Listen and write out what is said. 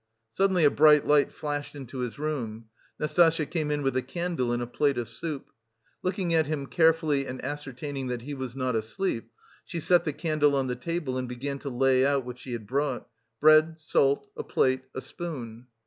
Suddenly a bright light flashed into his room. Nastasya came in with a candle and a plate of soup. Looking at him carefully and ascertaining that he was not asleep, she set the candle on the table and began to lay out what she had brought bread, salt, a plate, a spoon.